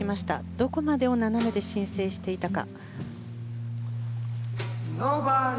どこまでを斜めで申請していたか。